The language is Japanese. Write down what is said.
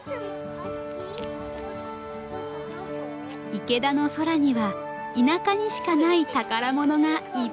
いけだのそらには田舎にしかない宝物がいっぱい。